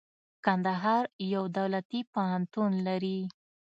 کندهار يو دولتي پوهنتون لري.